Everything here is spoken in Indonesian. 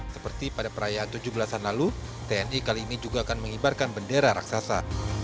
seperti pada perayaan tujuh belas an lalu tni kali ini juga akan mengibarkan bendera raksasa